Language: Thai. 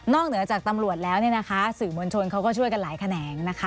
นอกเหนือจากตำรวจแล้วสื่อโมงชนเขาก็ช่วยกันหลายแขนง